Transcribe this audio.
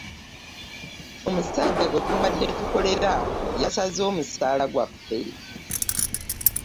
Omusajja gwe tubadde tukolera yasaze omusaala gwaffe.